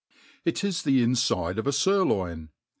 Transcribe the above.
. IT is the infide of a firloin.